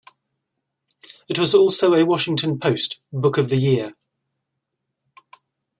It was also a Washington Post book of the year.